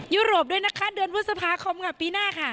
ยุโรปด้วยนะคะเดือนพฤษภาคมค่ะปีหน้าค่ะ